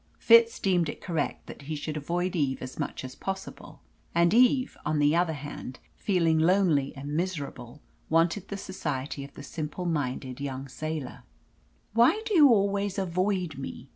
Fitz deemed it correct that he should avoid Eve as much as possible, and Eve, on the other hand, feeling lonely and miserable, wanted the society of the simple minded young sailor. "Why do you always avoid me?"